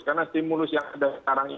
karena stimulus yang ada sekarang